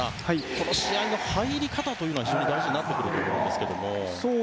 この試合の入り方というのは大事になってくると思いますが。